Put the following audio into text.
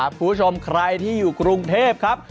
คุณผู้ชมใครที่อยู่กรุงเทพครับ